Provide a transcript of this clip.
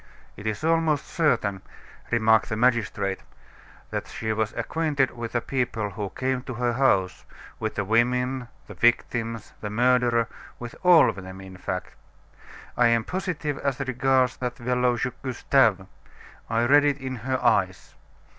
"It is almost certain," remarked the magistrate, "that she was acquainted with the people who came to her house with the women, the victims, the murderer with all of them, in fact. I am positive as regards that fellow Gustave I read it in her eyes.